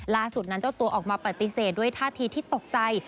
ล่าสุดนั้นเจ้าตัวออกมาปฏิเสธด้วยท่าทีที่ตกใจ